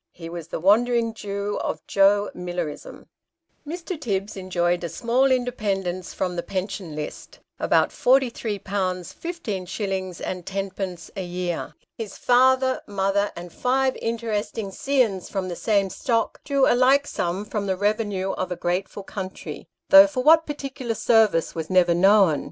He was the wandering Jew of Joe Millerism. 206 Sketches by Bos. Mr. Tibbs enjoyed a small independence from the pension list abont 43Z. 15s. lOd. a year. His father, mother, and five interesting scions from the same stock, drew a like sum from the revenue of a grateful country, though for what particular service was never known.